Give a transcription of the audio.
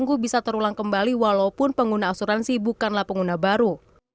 ganggu bisa terulang kembali walaupun pengguna asuransi bukanlah pengguna baru